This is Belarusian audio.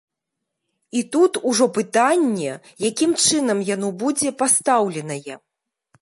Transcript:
І тут ужо пытанне, якім чынам яно будзе пастаўленае.